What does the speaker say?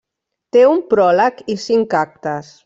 Té un pròleg i cinc actes.